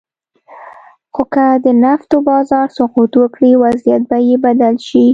خو که د نفتو بازار سقوط وکړي، وضعیت به یې بدل شي.